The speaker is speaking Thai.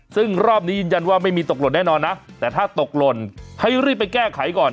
ซึ่งรอบนี้ยืนยันว่าไม่มีตกหล่นแน่นอนนะแต่ถ้าตกหล่นให้รีบไปแก้ไขก่อน